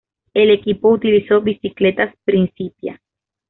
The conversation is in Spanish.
El equipo utilizó bicicletas Principia.